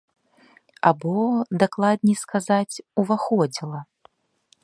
Або, дакладней сказаць, уваходзіла.